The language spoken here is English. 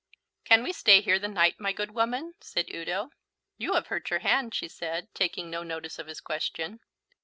"Can we stay here the night, my good woman?" said Udo. "You have hurt your hand," she said, taking no notice of his question.